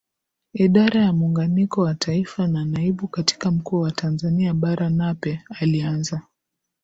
Idara ya muunganiko wa Taifa na Naibu Katibu Mkuu wa Tanzania baraNape alianza